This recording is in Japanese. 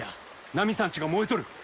ナミさんちが燃えとる。